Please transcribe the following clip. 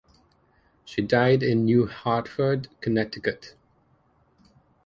She died in New Hartford, Connecticut.